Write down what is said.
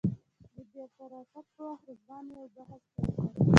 د بېرته راتګ په وخت رضوان یو بحث پیل کړ.